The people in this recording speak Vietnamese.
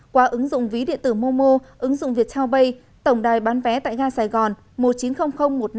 qua ứng dụng ví điện tử momo ứng dụng viettel bay tổng đài bán vé tại ga sài gòn